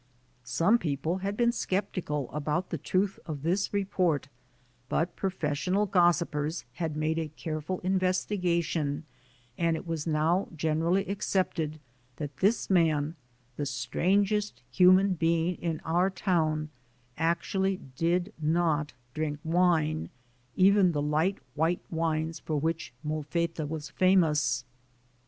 Some people had been skepti cal about the truth of this report, but professional gossipers had made a careful investigation and it was now generally accepted that this man, the strangest human being in our town, actually did not drink wine, even the light white wines for which Molfetta was famous.